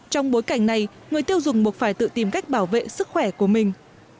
trong bối cảnh này người tiêu dùng buộc phải tự tìm cách bảo vệ sức khỏe của mình